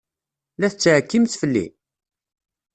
La tettɛekkimt fell-i?